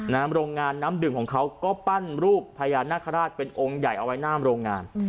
โรงงานน้ำดื่มของเขาก็ปั้นรูปพญานาคาราชเป็นองค์ใหญ่เอาไว้หน้าโรงงาน